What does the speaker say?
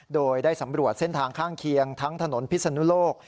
โดยได้สำรวจเส้นทางข้างเคียงทั้งถนนพิศนุโลก